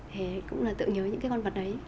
thế cũng là tự nhớ những cái con vật đấy